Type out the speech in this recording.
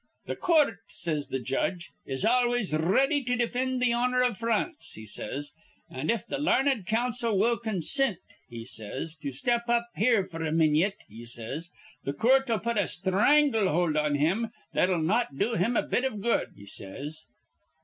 'Th' coort,' says th' judge, 'is always r ready to defind th' honor iv France,' he says; 'an', if th' larned counsel will con sint,' he says, 'to step up here f'r a minyit,' he says, 'th' coort'll put a sthrangle hold on him that'll not do him a bit iv good,' he says.